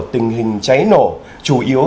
tình hình cháy nổ chủ yếu